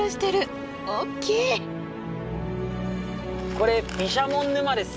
これ毘沙門沼です。